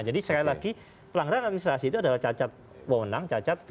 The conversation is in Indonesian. jadi sekali lagi pelanggaran administrasi itu adalah cacat wawenang cacat prosedur